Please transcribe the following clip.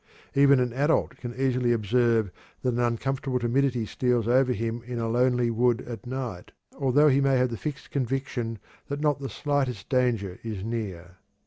Even an adult can easily observe that an uncomfortable timidity steals over him in a lonely wood at night, although he may have the fixed conviction that not the slightest danger is near.